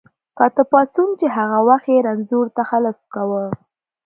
کاتب پاڅون چې هغه وخت یې رنځور تخلص کاوه.